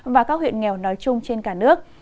và các huyện nghèo nói chung trên cả nước